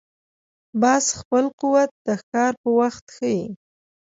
باز خپل قوت د ښکار پر وخت ښيي